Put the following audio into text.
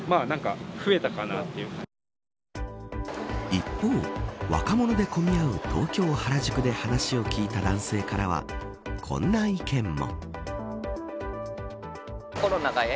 一方、若者で混み合う東京、原宿で話を聞いた男性からはこんな意見も。